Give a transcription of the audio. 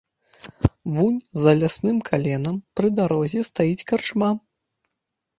Вунь за лясным каленам, пры дарозе стаіць карчма.